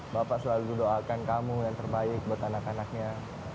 bapak selalu doakan kamu yang terbaik buat anak anaknya